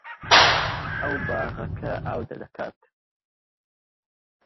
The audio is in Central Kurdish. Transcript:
ئەو باخەکە ئاو دەکات.